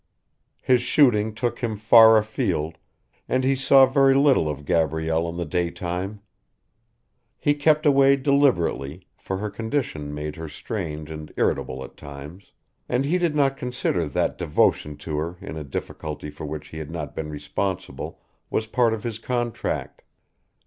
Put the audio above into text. His shooting took him far afield, and he saw very little of Gabrielle in the daytime. He kept away deliberately, for her condition made her strange and irritable at times, and he did not consider that devotion to her in a difficulty for which he had not been responsible was part of his contract.